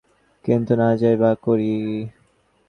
কিন্তু না যাইয়াই বা কী করি।